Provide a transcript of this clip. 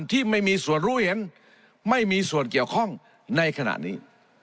ที่ไม่มีส่วนรู้เห็นไม่มีส่วนเกี่ยวข้องในขณะนี้